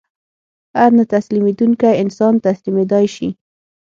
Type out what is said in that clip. هر نه تسلیمېدونکی انسان تسلیمېدای شي